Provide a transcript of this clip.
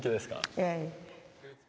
ええ。